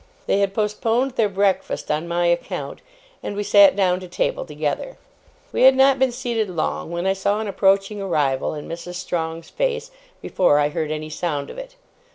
They had postponed their breakfast on my account, and we sat down to table together. We had not been seated long, when I saw an approaching arrival in Mrs. Strong's face, before I heard any sound of it.